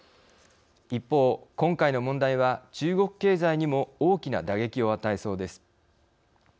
一方、今回の問題は中国経済にも大きな打撃を与えそうです。